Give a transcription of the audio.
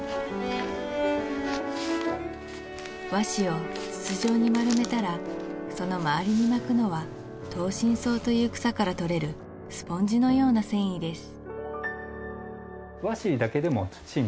和紙を筒状に丸めたらその回りに巻くのは灯心草という草から取れるスポンジのような繊維です